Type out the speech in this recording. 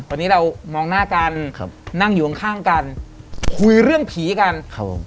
วันนี้เรามองหน้ากันครับนั่งอยู่ข้างข้างกันคุยเรื่องผีกันครับผม